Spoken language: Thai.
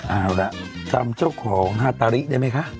เอาละจำเจ้าของฮาตาริได้ไหมคะ